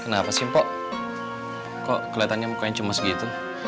kenapa sih pok kok keliatannya mukanya cuma segitu